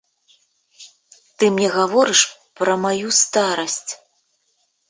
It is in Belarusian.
Ты мне гаворыш пра маю старасць.